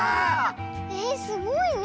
えっすごいね。